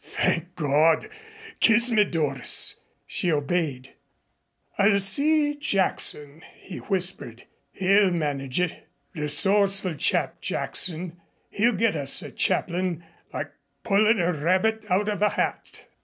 "Thank God! Kiss me, Doris." She obeyed. "I'll see Jackson," he whispered. "He'll manage it. Resourceful chap, Jackson. He'll get us a chaplain like pullin' a rabbit out of a hat."